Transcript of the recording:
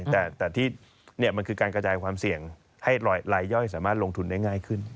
แต่ที่มันคือการกระจายความเสี่ยงให้รายย่อยสามารถลงทุนได้ง่ายขึ้น